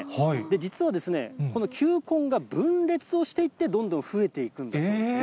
実は、この球根が分裂をしていって、どんどん増えていくんだそうですね。